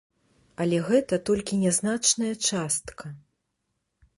Але гэта толькі нязначная частка.